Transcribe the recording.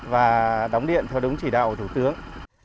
và đóng điện theo đúng chỉ đạo của thủ tướng